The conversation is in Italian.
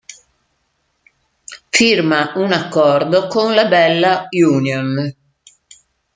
Firma un accordo con la Bella Union.